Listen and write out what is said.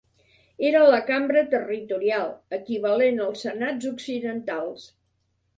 Era la cambra territorial, equivalent als senats occidentals.